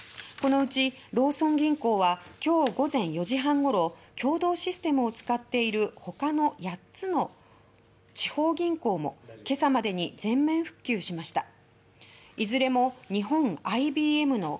このうち、ローソン銀行は今日午前４時半ごろ共同システムを使っているほかの８つの地方銀行も今朝までに全面復旧しました。